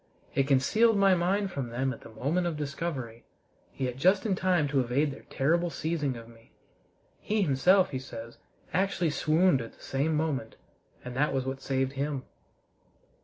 It concealed my mind from them at the moment of discovery, yet just in time to evade their terrible seizing of me. He himself, he says, actually swooned at the same moment, and that was what saved him.